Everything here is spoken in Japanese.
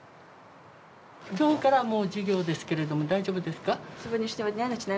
今日からもう授業ですけれども大丈夫ですか？